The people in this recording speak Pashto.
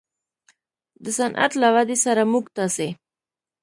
د صنعت له ودې سره موږ تاسې